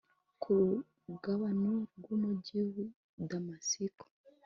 ku rugabano rw umugi w i Damasiko